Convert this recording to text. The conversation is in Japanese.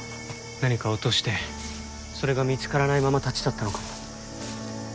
何かを落としてそれが見つからないまま立ち去ったのかも。